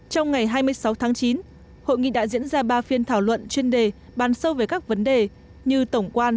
trong ngày hai mươi sáu tháng chín hội nghị đã diễn ra ba phiên thảo luận chuyên đề bàn sâu về các vấn đề như tổng quan